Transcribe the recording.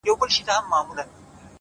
o و تاته چا زما غلط تعريف کړی و خدايه؛